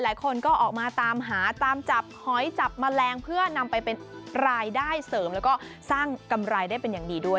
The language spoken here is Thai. หลายคนก็ออกมาตามหาตามจับหอยจับแมลงเพื่อนำไปเป็นรายได้เสริมแล้วก็สร้างกำไรได้เป็นอย่างดีด้วย